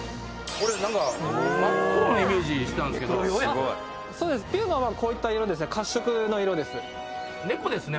俺何か真っ黒なイメージしてたんですけどピューマはこういった色ですね